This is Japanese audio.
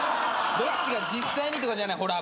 どっちが実際にとかじゃない。